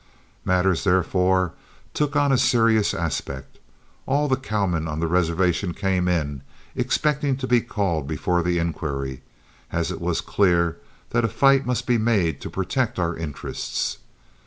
Matters, therefore, took on a serious aspect. All the cowmen on the reservation came in, expecting to be called before the inquiry, as it was then clear that a fight must be made to protect our interests.